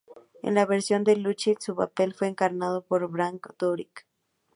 En la versión de Lynch su papel fue encarnado por Brad Dourif.